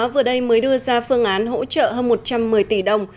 vừa đây mới đưa ra phương án hỗ trợ hơn một trăm một mươi tỷ đồng